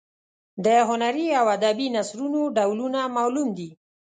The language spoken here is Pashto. د هنري او ادبي نثرونو ډولونه معلوم دي.